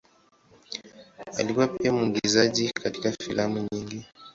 Alikuwa pia mwigizaji katika filamu nyingi.